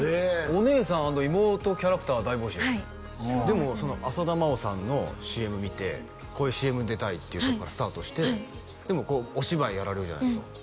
お姉さん＆妹キャラクター大募集はいでもその浅田真央さんのＣＭ見てこういうＣＭに出たいっていうところからスタートしてでもこうお芝居やられるじゃないですか